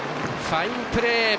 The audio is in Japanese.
ファインプレー！